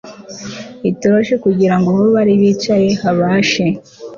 itoroshi kugira ngo aho bari bicaye habashe